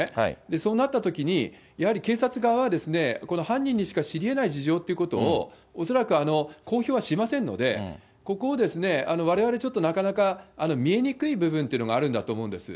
そうなったときに、やはり警察側は、この犯人にしか知りえない事情ということを、恐らく公表はしませんので、ここをわれわれちょっと、なかなか見えにくい部分というのがあるんだと思うんです。